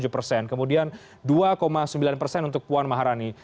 tujuh persen kemudian dua sembilan persen untuk puan maharani